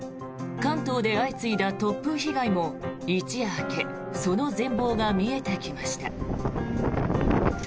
関東で相次いだ突風被害も一夜明けその全ぼうが見えてきました。